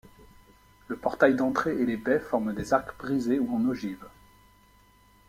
Le portail d'entrée et les baies forment des arcs brisés ou en ogive.